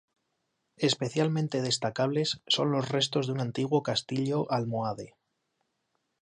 Especialmente destacables son los restos de un antiguo castillo almohade.